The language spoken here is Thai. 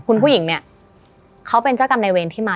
คุณผู้หญิงเนี่ยเขาเป็นเจ้ากรรมในเวรที่มา